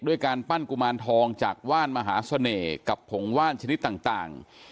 การปั้นกุมารทองจากว่านมหาเสน่ห์กับผงว่านชนิดต่าง